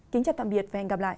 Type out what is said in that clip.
kính chào tạm biệt và hẹn gặp lại